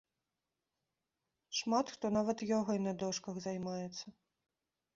Шмат хто нават ёгай на дошках займаецца.